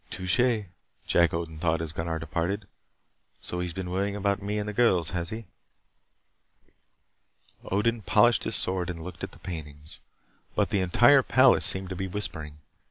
"Touché!" Jack Odin thought as Gunnar departed. "So he's been worrying about me and the girls, has he?" Odin polished his sword and looked at the paintings. But the entire palace seemed to be whispering.